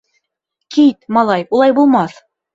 — Кит, малай, улай булмаҫ!..